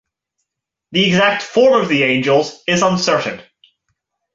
The exact form of the angels is uncertain.